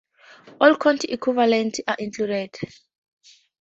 All county equivalents are included.